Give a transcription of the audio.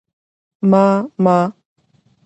_ما، ما